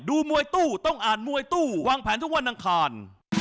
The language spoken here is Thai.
มวยตู้ต้องอ่านมวยตู้วางแผนทุกวันอังคาร